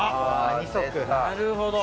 なるほど。